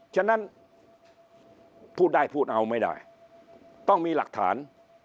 ฉะนั้นพูดได้พูดเอาไม่ได้ต้องมีหลักฐาน